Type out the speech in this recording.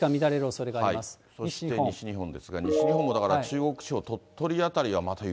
そして西日本ですが、西日本もだから、中国地方、鳥取辺りはまた雪。